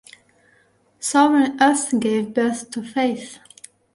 Sovereign Earth gave birth to Faith.